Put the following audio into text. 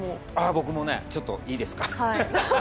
僕もねちょっといいですか？